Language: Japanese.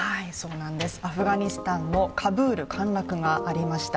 アフガニスタンのカブール陥落がありました。